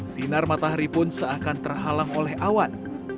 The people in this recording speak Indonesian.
sinar matahari pun seakan terhalang oleh awan